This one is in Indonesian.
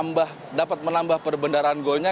dapat menambah perbendaraan golnya